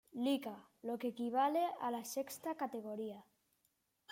Liga, lo que equivale a la sexta categoría.